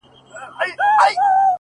د سپینتمان د سردونو د یسنا لوري”